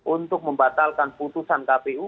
untuk membatalkan putusan kpu